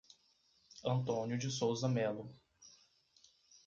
Antônio de Souza Melo